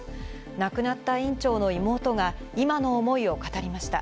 亡くなった院長の妹が今の思いを語りました。